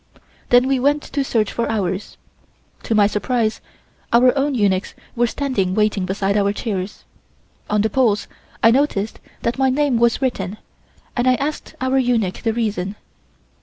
Then we went to search for ours. To my surprise our own eunuchs were standing waiting beside our chairs. On the poles I noticed that my name was written and I asked our eunuch the reason.